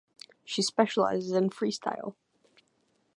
She specializes in freestyle.